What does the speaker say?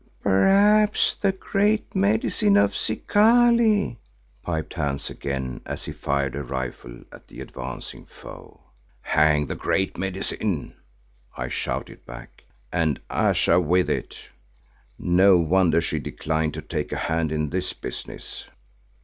"Perhaps the Great Medicine of Zikali," piped Hans again as he fired a rifle at the advancing foe. "Hang the Great Medicine," I shouted back, "and Ayesha with it. No wonder she declined to take a hand in this business."